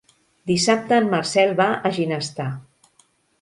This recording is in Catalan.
Dissabte en Marcel va a Ginestar.